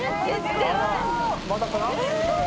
まだかな？